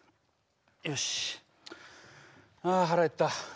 よしあ腹減った。